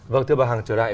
vâng thưa bà hằng trở lại